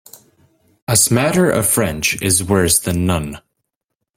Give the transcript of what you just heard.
A smatter of French is worse than none.